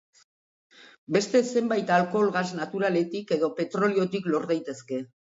Beste zenbait alkohol gas naturaletik edo petroliotik lor daitezke.